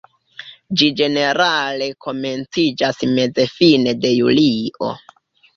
Ĝi ĝenerale komenciĝas meze-fine de julio.